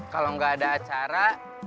kalau gak ada acara